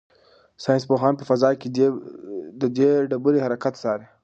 ساینس پوهان په فضا کې د دې ډبرې حرکت څاري.